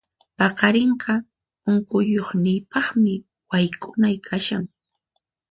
Paqarinqa unquqniypaqmi wayk'unay kashan.